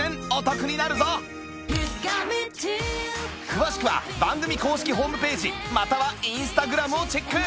詳しくは番組公式ホームページまたはインスタグラムをチェック！